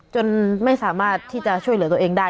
จนไม่สามารถที่จะช่วยเหลือตัวเองได้